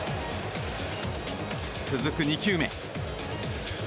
続く２球目。